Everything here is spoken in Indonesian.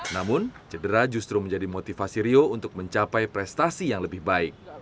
namun cedera justru menjadi motivasi rio untuk mencapai prestasi yang lebih baik